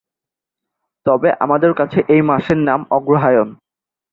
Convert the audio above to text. তবে আমাদের কাছে এই মাসের নাম অগ্রহায়ণ।